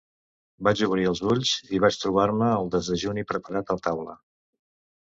Vaig obrir els ulls i vaig trobar-me el desdejuni preparat a taula.